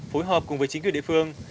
phối hợp cùng với chính quyền địa phương